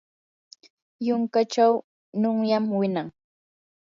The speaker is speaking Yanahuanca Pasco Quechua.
yunkachaw nunyam winan.